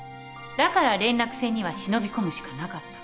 だから連絡船には忍び込むしかなかった。